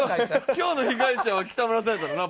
今日の被害者は北村さんやったな。